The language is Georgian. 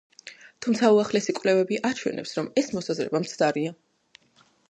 თუმცა უახლესი კვლევები აჩვენებს, რომ ეს მოსაზრება მცდარია.